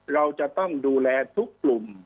เราจะต้องดูแลทุกกลุ่ม